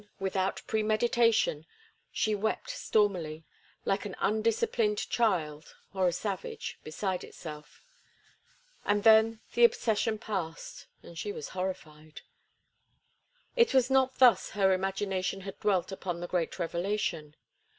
Then, without premeditation, she wept stormily, like an undisciplined child—or a savage—beside itself. And then the obsession passed and she was horrified. It was not thus her imagination had dwelt upon the great revelation.